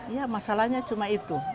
ya masalahnya cuma itu